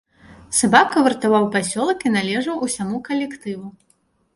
Сабака вартаваў пасёлак і належаў усяму калектыву.